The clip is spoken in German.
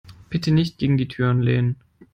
Bitte nicht gegen die Türen lehnen.